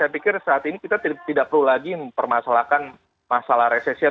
brazil tidak mau menguasai dari nama indonesia